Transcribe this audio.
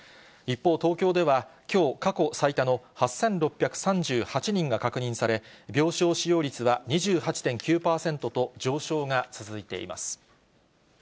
一方、東京ではきょう、過去最多の８６３８人が確認され、病床使用率は２８．９％と、上昇が続いています。